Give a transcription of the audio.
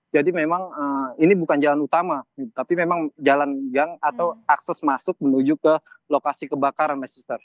jadi memang ini bukan jalan utama tapi memang jalan gang atau akses masuk menuju ke lokasi kebakaran